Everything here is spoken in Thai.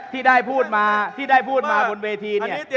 ที่ได้พูดมาที่ได้พูดมาบนเวทีเนี่ย